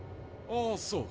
ああそう。